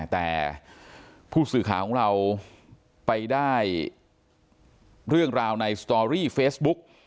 แต่ผู้สื่อข่าวของเราไปได้เรื่องราวในสตอรี่เฟซบุ๊ก